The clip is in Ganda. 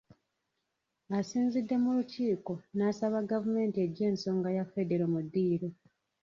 Asinzidde mu Lukiiko, n'asaba gavumenti eggye ensonga ya Federo mu ddiiro